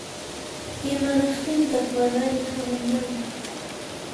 Imanaqtintaq manari hamunmanchu?